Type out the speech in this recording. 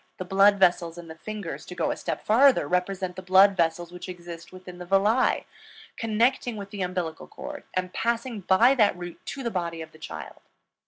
The blood vessels in the fingers, to go a step farther, represent the blood vessels which exist within the villi, connecting with the umbilical cord, and passing by that route to the body of the child.